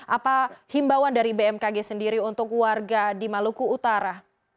apa himbauan dari bmkg sendiri untuk warga di maluku utara